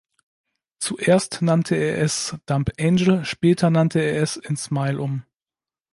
Zuerst nannte er es "Dumb Angel", später nannte er es in "Smile" um.